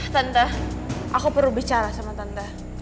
tante aku perlu bicara sama tante